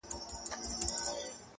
• نور مي د سبا سبا پلمو زړه سولولی دی ,